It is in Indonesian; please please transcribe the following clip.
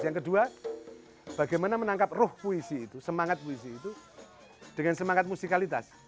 yang kedua bagaimana menangkap ruh puisi itu semangat puisi itu dengan semangat musikalitas